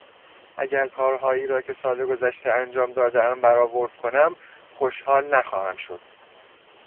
اگر کارهایی را که سال گذشته انجام دادهام برآورد کنم خوشحال نخواهم شد.